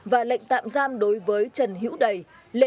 và lệnh tạm giam đối với trần đức